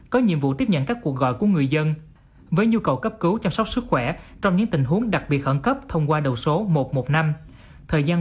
có nhiệm vụ tiếp nhận các cuộc gọi của người dân